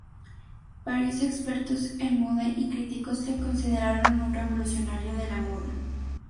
Varios expertos en moda y críticos le consideraron un revolucionario de la moda.